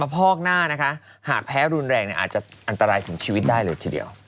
พอกหน้านะคะหากแพ้รุนแรงอาจจะอันตรายถึงชีวิตได้เลยทีเดียว